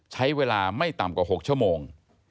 ใช้เวลาไม่ต่ำกว่า๖ชั่วโมง